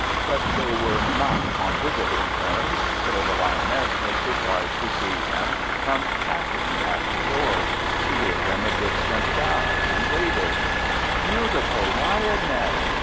But they were not on visiting terms, so the Lioness was surprised to see him come tapping at her door. She gave him a distant bow, and waited. "Beautiful Lioness!"